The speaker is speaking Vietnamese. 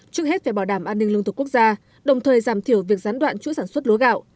trước hết phải bảo đảm an ninh lương thực quốc gia đồng thời giảm thiểu việc gián đoạn chuỗi sản xuất lúa gạo